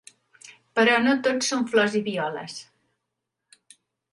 Però no tot són flors i violes.